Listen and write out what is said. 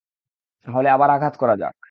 তাহলে আবার আঘাত করা যাক।